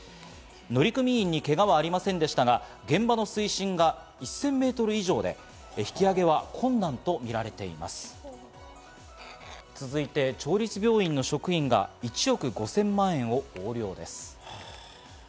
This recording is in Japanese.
乗組員にけがはありませんでしたが、現場の水深が１０００メートル以上で、続いて、町立病院の職員が１億５０００万円を横領です。